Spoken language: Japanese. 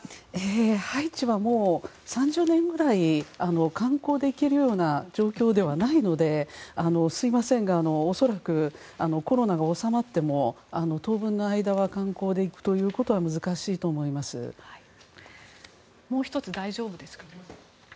ハイチはもう３０年くらい、観光できるような状況ではないのですいませんが恐らく、コロナが収まっても当分の間は観光で行くということは難しいと思います。